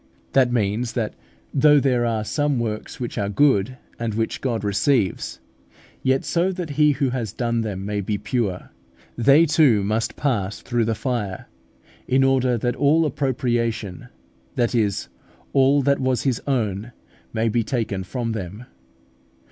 That means, that though there are some works which are good, and which God receives, yet, so that he who has done them may be pure, they too must pass through the fire, in order that all appropriation, that is, all that was his own, may be taken from them.